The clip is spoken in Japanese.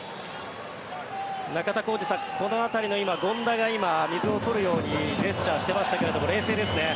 中田浩二さん、この辺りの権田が今、水を取るようにジェスチャーをしていましたが冷静ですね。